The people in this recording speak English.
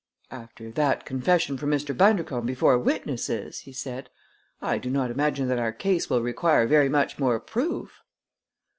"After that confession from Mr. Bundercombe before witnesses," he said, "I do not imagine that our case will require very much more proof."